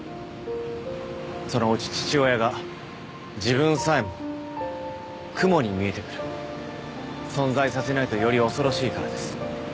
そのうち父親が自分さえもクモに見えてくる存在させないとより恐ろしいからです